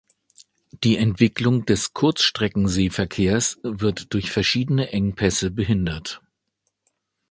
Die Entwicklung des Kurzstreckenseeverkehrs wird durch verschiedene Engpässe behindert.